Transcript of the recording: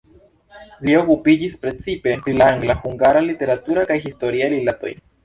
Li okupiĝis precipe pri la angla-hungara literatura kaj historia rilatoj.